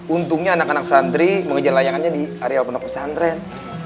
untungnya anak anak sandri mengejar layangannya di areal penopel sandren